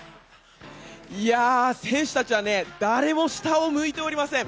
選手たちは誰も下を向いておりません。